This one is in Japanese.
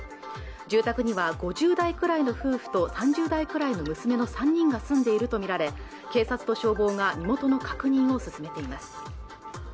住宅には５０代くらいの夫婦と３０代くらいの娘の３人が住んでいると見られ警察と消防が身元の確認を進めています